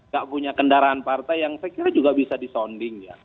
gak punya kendaraan partai yang saya kira juga bisa disonding ya